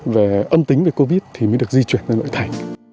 và âm tính về covid thì mới được di chuyển ra nội thành